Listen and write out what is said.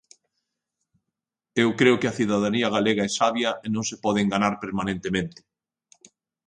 Eu creo que a cidadanía galega é sabia e non se pode enganar permanentemente.